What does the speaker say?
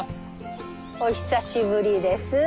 お久しぶりです。